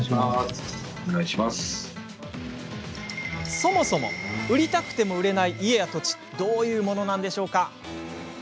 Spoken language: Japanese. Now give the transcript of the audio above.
そもそも、売りたくても売れない家や土地ってどういうものですか。